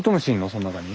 その中に？